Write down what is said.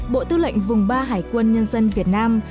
bộ tư lệnh vùng ba hải quân nhân dân việt nam